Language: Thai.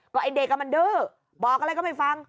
ไอ้เด็กมันดื้อบอกอะไรก็ไม่ฟัง